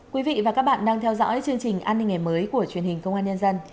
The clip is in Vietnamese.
quý vị và các bạn đang theo dõi chương trình an ninh ngày mới của truyền hình công an nhân dân